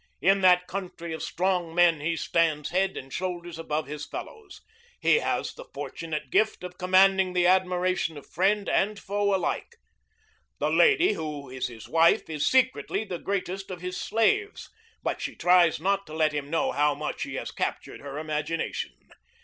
In that country of strong men he stands head and shoulders above his fellows. He has the fortunate gift of commanding the admiration of friend and foe alike. The lady who is his wife is secretly the greatest of his slaves, but she tries not to let him know how much he has captured her imagination.